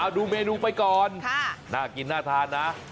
ดูเมนูไปก่อนน่ากินน่าทานนะ